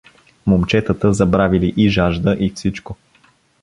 Момчетата забравили и жажда, и всичко.